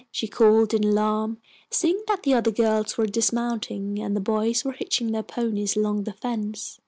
she called, in alarm, seeing that the other girls were dismounting, and the boys were hitching their ponies along the fence.